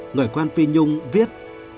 người quen phi nhung viết